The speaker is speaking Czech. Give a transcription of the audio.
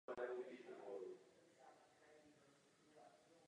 Ludvíkova výchova však nebyla příliš úspěšná.